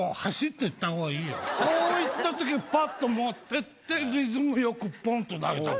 こう行ったときパっと持ってってリズムよくポンと投げたら。